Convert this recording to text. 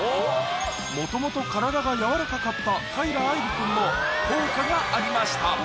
もともと体が柔らかかった平愛梨君も効果がありました